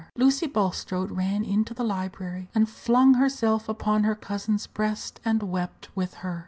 Lucy Bulstrode ran into the library, and flung herself upon her cousin's breast, and wept with her.